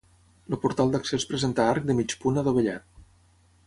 El portal d'accés presenta arc de mig punt adovellat.